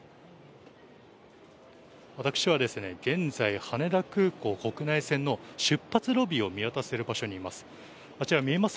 私は現在、羽田空港国内線の出発ロビーを見渡せる場所にいます。